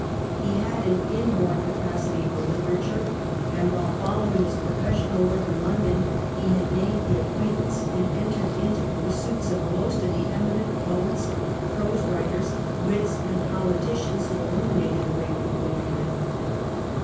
He had an inborn capacity for literature, and, while following his professional work in London, he had made the acquaintance and entered into the pursuits of most of the eminent poets, prose writers, wits, and poli ticians who illuminated the reign of Queen Anne.